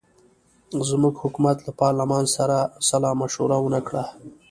زموږ حکومت له پارلمان سره سلامشوره ونه کړه.